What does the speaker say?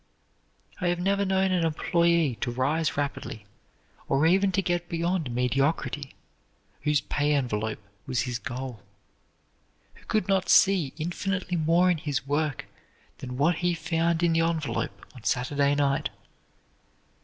I have never known an employee to rise rapidly, or even to get beyond mediocrity, whose pay envelope was his goal, who could not see infinitely more in his work than what he found in the envelope on Saturday night.